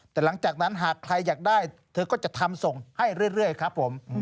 แต่หลังจากนั้นหากใครอยากได้เธอก็จะทำส่งให้เรื่อยครับผม